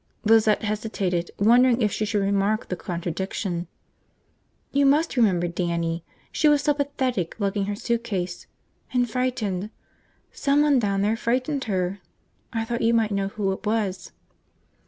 Lizette hesitated, wondering if she should remark the contradiction. "You must remember Dannie. She was so pathetic, lugging her suitcase. And frightened. Someone down there frightened her. I thought you might know who it was."